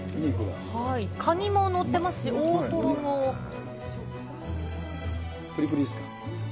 カニも載ってますし、大トロぷりぷりですか？